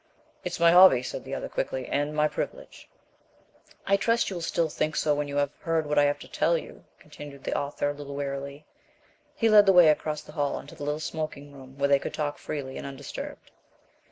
"It's my hobby," said the other quickly, "and my privilege." "I trust you will still think so when you have heard what I have to tell you," continued the author, a little wearily. He led the way across the hall into the little smoking room where they could talk freely and undisturbed.